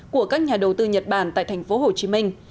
của các nhà đầu tư nhật bản tại thành phố hồ chí minh